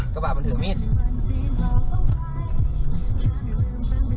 กระบาดมันถือมีด